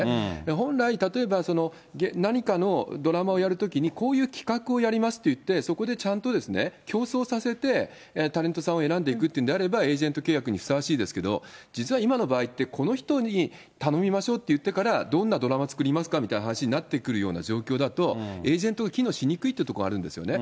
本来、例えば何かのドラマをやるときに、こういう企画をやりますといって、そこでちゃんとですね、競争させてタレントさんを選んでいくっていうのであれば、エージェント契約にふさわしいですけど、実は今の場合って、この人に頼みましょうっていってから、どんなドラマ作りますかみたいな話になってくるような状況だと、エージェントが機能しにくいというところあるんですよね。